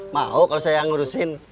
mau kalau saya yang ngurusin